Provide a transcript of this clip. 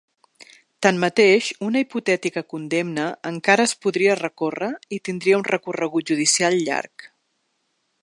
Tanmateix, una hipotètica condemna encara es podria recórrer i tindria un recorregut judicial llarg.